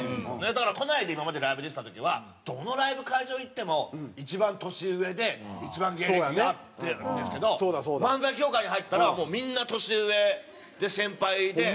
だから都内で今までライブ出てた時はどのライブ会場行っても一番年上で一番芸歴があったんですけど漫才協会に入ったらもうみんな年上で先輩で。